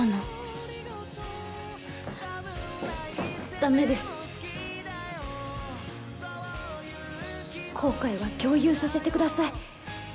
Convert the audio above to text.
ダメです後悔は共有させてください